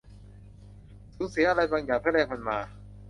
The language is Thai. สูญเสียอะไรบางอย่างเพื่อแลกมันมา